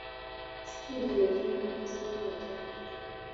Situdiyo efuna bakasitoma batono.